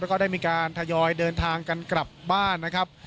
แล้วก็ได้มีการทยอยเดินทางกันกลับบ้านนะครับ